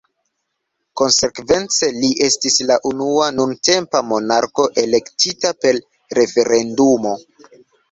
Konsekvence, li estis la unua nuntempa monarko elektita per referendumo.